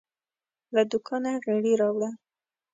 له دوکانه غیړي راوړه